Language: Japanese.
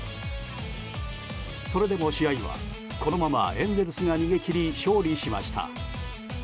それでも試合はこのままエンゼルスが逃げ切り勝利しました。